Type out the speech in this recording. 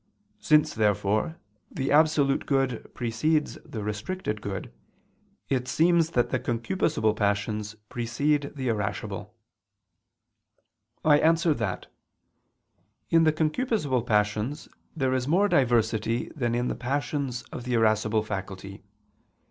Since, therefore, the absolute good precedes the restricted good, it seems that the concupiscible passions precede the irascible. I answer that, In the concupiscible passions there is more diversity than in the passions of the irascible faculty.